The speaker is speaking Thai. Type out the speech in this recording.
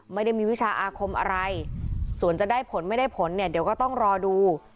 ไม่ได้มีวิชาอาคมอะไรส่วนจะได้ผลไม่ได้ผลเนี่ยเดี๋ยวก็ต้องรอดู